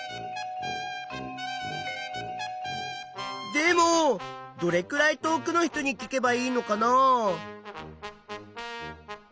でもどれくらい遠くの人に聞けばいいのかな？